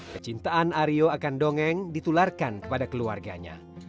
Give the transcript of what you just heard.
kecintaan aryo akan dongeng ditularkan kepada keluarganya